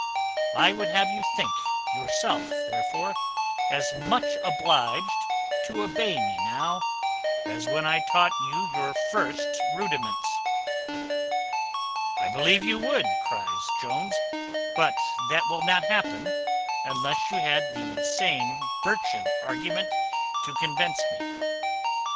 I would have you think yourself, therefore, as much obliged to obey me now, as when I taught you your first rudiments." "I believe you would," cries Jones; "but that will not happen, unless you had the same birchen argument to convince me."